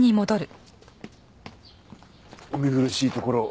お見苦しいところを。